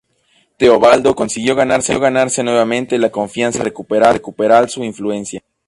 Teobaldo consiguió ganarse nuevamente la confianza real y recuperar su influencia.